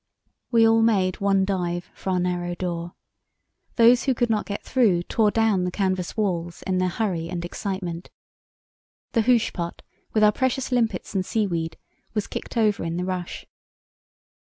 We all made one dive for our narrow door. Those who could not get through tore down the canvas walls in their hurry and excitement. The hoosh pot with our precious limpets and seaweed was kicked over in the rush.